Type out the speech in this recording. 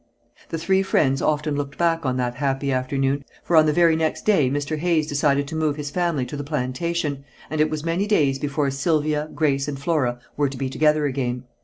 The three friends often looked back on that happy afternoon, for on the very next day Mr. Hayes decided to move his family to the plantation, and it was many days before Sylvia, Grace and Flora were to be together again.